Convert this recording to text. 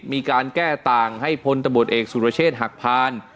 มีการแก้ต่างให้พนธบทเอกสุรเชษฐ์หักพาล